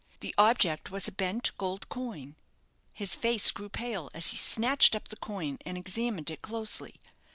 That object was a bent gold coin. His face grew pale as he snatched up the coin, and examined it closely.